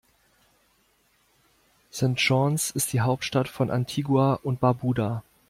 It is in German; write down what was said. St. John’s ist die Hauptstadt von Antigua und Barbuda.